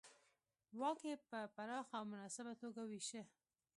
واک یې په پراخه او مناسبه توګه وېشه.